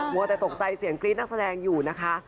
วัวแต่ตกใจเสียงกรี๊ดนักแสดงอยู่นะคะ